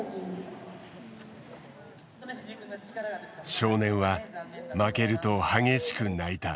少年は負けると激しく泣いた。